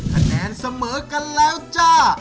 คะแนนเสมอกันแล้วจ้า